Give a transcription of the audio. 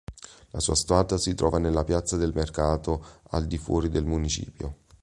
La sua statua si trova nella piazza del mercato al di fuori del municipio.